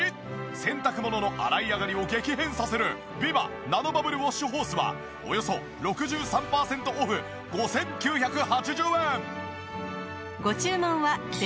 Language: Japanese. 洗濯物の洗い上がりを激変させるビバナノバブルウォッシュホースはおよそ６３パーセントオフ５９８０円！